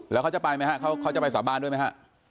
แล้วเขาจะไปไหมฮะเขาจะไปสาบานด้วยไหมฮะ